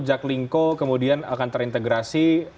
jaklingco kemudian akan terintegrasi